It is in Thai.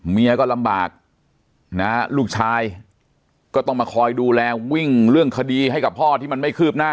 เมียก็ลำบากนะลูกชายก็ต้องมาคอยดูแลวิ่งเรื่องคดีให้กับพ่อที่มันไม่คืบหน้า